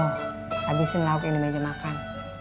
habisin lauk yang di meja makan